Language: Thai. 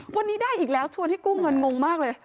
วันนี้ได้อีกแล้วชวนให้กู้เงินงงมากเลย